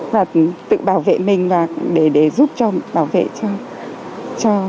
và tự bảo vệ mình để giúp bảo vệ cho các